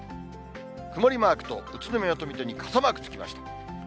曇りマークと、宇都宮と水戸に傘マークつきました。